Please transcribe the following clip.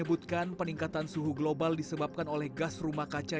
makanya di indonesia hape ngecier nah asap